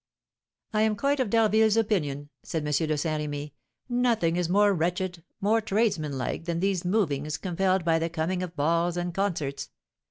"I am quite of D'Harville's opinion," said M. de Saint Remy; "nothing is more wretched, more tradesmanlike, than these movings, compelled by the coming of balls and concerts.